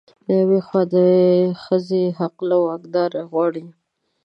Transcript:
له يوې خوا د ښځې حق له واکدار غواړي